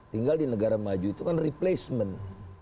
tinggal di negara maju itu kan replacement